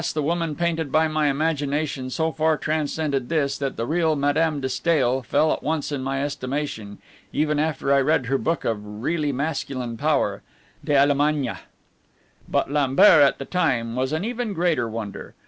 the woman painted by my imagination so far transcended this, that the real Madame de Stael fell at once in my estimation, even after I read her book of really masculine power, De l'Allemagne. But Lambert at that time was an even greater wonder.